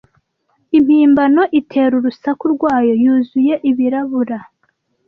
impimbano itera urusaku rwayo yuzuye ibirabura